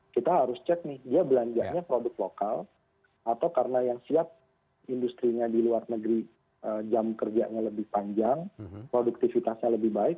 kita harus cek nih dia belanjanya produk lokal atau karena yang siap industrinya di luar negeri jam kerjanya lebih panjang produktivitasnya lebih baik